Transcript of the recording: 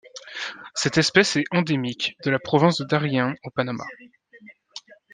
Cette espèce est endémique de la province de Darién au Panama.